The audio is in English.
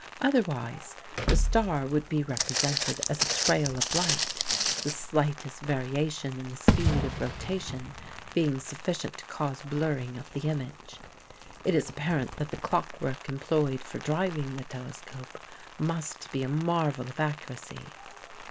Otherwise the star would be represented as a trail of light, the slightest variation in the speed of rotation being sufficient to cause blurring of the image. It is apparent that the clockwork employed for driving the telescope must be a marvel of accuracy.